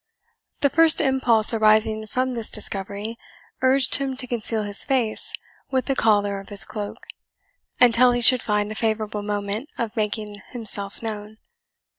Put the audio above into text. The first impulse arising from this discovery urged him to conceal his face with the collar of his cloak, until he should find a favourable moment of making himself known.